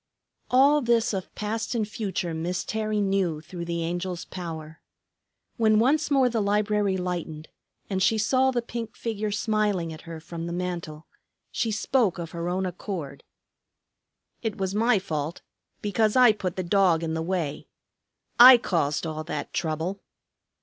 All this of past and future Miss Terry knew through the Angel's power. When once more the library lightened, and she saw the pink figure smiling at her from the mantel, she spoke of her own accord. "It was my fault, because I put the dog in the way. I caused all that trouble."